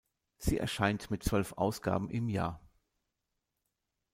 Sie erscheint mit zwölf Ausgaben im Jahr.